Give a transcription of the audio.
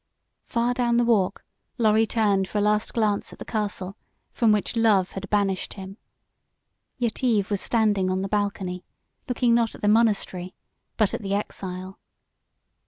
Far down the walk Lorry turned for a last glance at the castle from which love had banished him. Yetive was standing on the balcony, looking not at the monastery but at the exile.